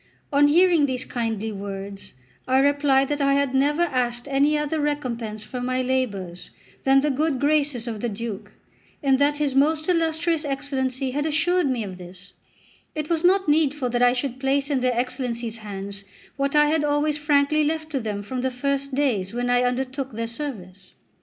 On hearing these kindly words I replied that I had never asked any other recompense for my labours than the good graces of the Duke, and that his most illustrious Excellency had assured me of this; it was not needful that I should place in their Excellencies' hands what I had always frankly left to them from the first days when I undertook their service.